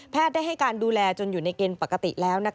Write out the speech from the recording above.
ได้ให้การดูแลจนอยู่ในเกณฑ์ปกติแล้ว